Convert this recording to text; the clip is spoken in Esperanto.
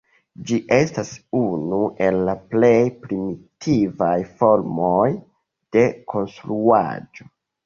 Ĝi estas unu el la plej primitivaj formoj de konstruaĵo.